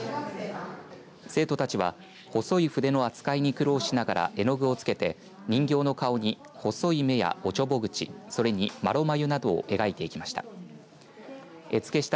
生徒たちは細い筆の扱いに苦労しながら絵の具をつけて人形の顔に細い目やおちょぼ口それに、麻呂眉などを描いていきました。